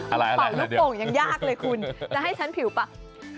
อะไรเดี๋ยวคุณป่าลูกปงยังยากเลยคุณจะให้ฉันผิวปาก